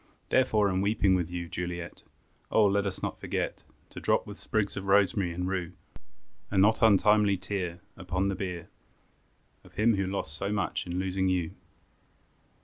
Therefore in weeping with you, Juliet, Oh! let us not forget, To drop with sprigs of rosemary and rue, A not untimely tear Upon the bier, Of him who lost so much in losing you.